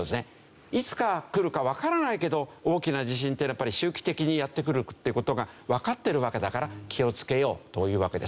いつくるかわからないけど大きな地震っていうのは周期的にやってくるっていう事がわかってるわけだから気を付けようというわけです。